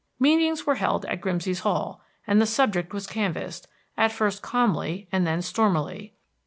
Meetings were held at Grimsey's Hall and the subject was canvassed, at first calmly and then stormily.